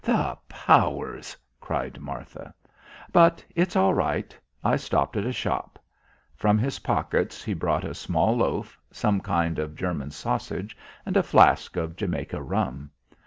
"The powers!" cried Martha. "But it's all right. I stopped at a shop." From his pockets, he brought a small loaf, some kind of German sausage and a flask of Jamaica rum.